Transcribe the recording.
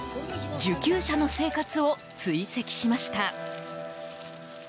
受給者の生活を追跡しました。